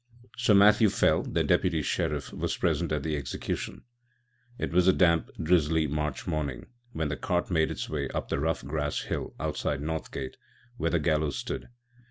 Sir Matthew Fell, then Deputy Sheriff, was present at the execution. It was a damp, drizzly March morning when the cart made its way up the rough grass, hill outside Northgate, where the gallows stood.